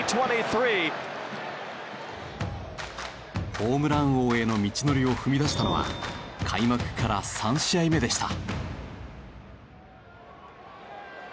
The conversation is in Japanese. ホームラン王への道のりを踏み出したのは開幕から３試合目でした。